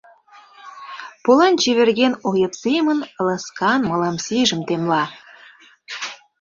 Полан чеверген ойып семын, ласкан мылам сийжым темла.